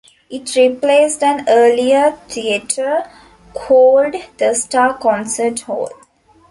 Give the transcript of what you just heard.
It replaced an earlier theatre called the Star Concert Hall.